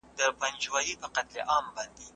پيغمبر د حق او باطل ترمنځ پوله ده.